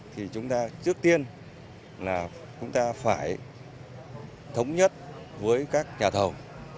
thì chúng ta trước tiên là chúng ta phải thống nhất với các nhà thầu